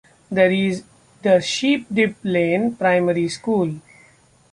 There is the Sheep Dip Lane primary school.